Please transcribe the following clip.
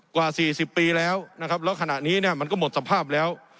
กว่า๔๐ปีแล้วนะครับแล้วขณะนี้เนี่ยมันก็หมดสภาพแล้ว